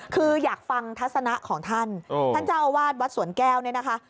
คืออยากฟังทัศนะของท่านท่านเจ้าอาวาสวัดสวนแก้วเนี่ยนะคะ